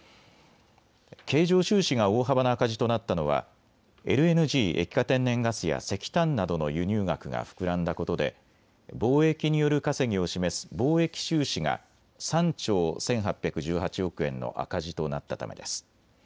経常収支が大幅な赤字となったのはＬＮＧ・液化天然ガスや石炭などの輸入額が膨らんだことで貿易による稼ぎを示す貿易収支が３兆１８１８億円の赤字となったためです。